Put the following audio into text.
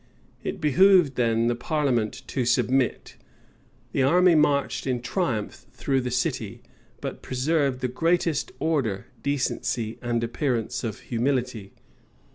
It behoved then the parliament to submit. The army marched in triumph through the city; but preserved the greatest order, decency, and appearance of humility.